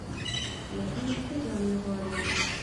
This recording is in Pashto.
یخني څه جامې غواړي؟